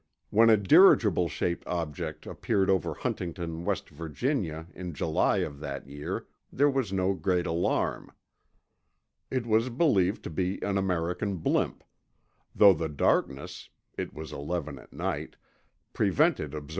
When a dirigible shaped object appeared over Huntington, West Virginia, in July of that year, there was no great alarm. It was believed to be an American blimp, though the darkness—it was eleven at night—prevented observers from being sure.